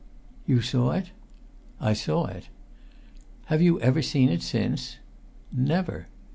"You saw it?" "I saw it." "Have you ever seen it since?" "Never!"